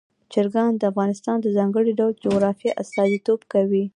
چرګان د افغانستان د ځانګړي ډول جغرافیه استازیتوب کوي.